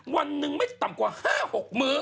วันหนึ่งไม่ต่ำกว่า๕๖มื้อ